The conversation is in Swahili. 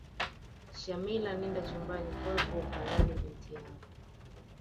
shamila nenda chumbani kwako ukalale binti yangu